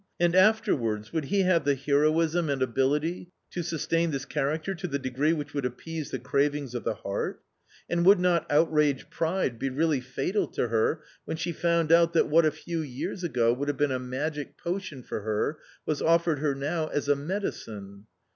And afterwards, would he have the heroism and ability to sustain this character to the degree which would appease the cravings of the heart ? And would not outraged pride be really fatal to her when she found out that what a few years ago would have been a magic potion for her was offered her now as a medicine